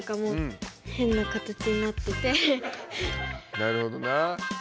なるほどな。